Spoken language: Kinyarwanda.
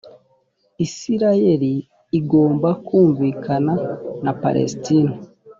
isirayeli igomba kumvikana na palestina